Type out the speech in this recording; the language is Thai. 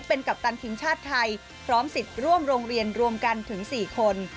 เป็นกัปตันทีมชาติไทยพร้อมสิทธิ์ร่วมโรงเรียนรวมกันถึง๔คน